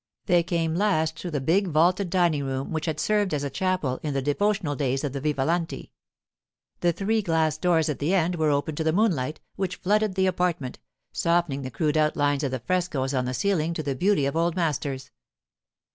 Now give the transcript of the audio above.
They came last to the big vaulted dining room which had served as chapel in the devotional days of the Vivalanti. The three glass doors at the end were open to the moonlight, which flooded the apartment, softening the crude outlines of the frescoes on the ceiling to the beauty of old masters.